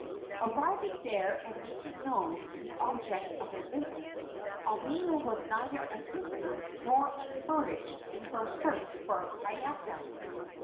Arriving there and making known the object of her visit, Omeo was neither assisted nor encouraged in her search for Hiiaka.